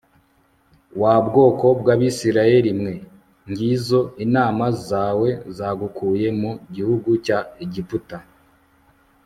Wa bwoko bwAbisirayeli mwe ngizo inama zawe zagukuye mu gihugu cya Egiputa